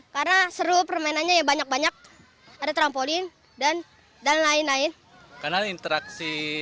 karena seru permainannya banyak banyak ada trampolin dan dan lain lain karena interaksi